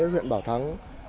huyện bảo thắng